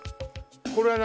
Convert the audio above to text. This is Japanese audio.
これは何？